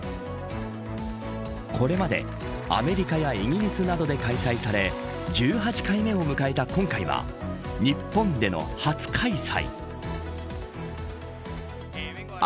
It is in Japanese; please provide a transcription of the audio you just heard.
これまで、アメリカやイギリスなどで開催され１８回目を迎えた今回は日本での初開催。